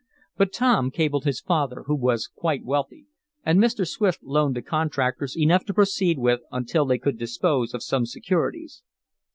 But Tom cabled his father, who was quite wealthy, and Mr. Swift loaned the contractors enough to proceed with until they could dispose of some securities.